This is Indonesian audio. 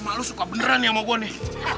mak lo suka beneran sama gue nih